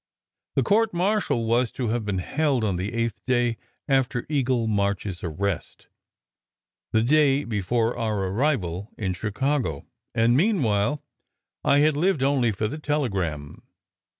The court martial was to have been held on the eighth day after Eagle March s arrest, the day before our arrival in Chicago, and meanwhile I had lived only for the telegram.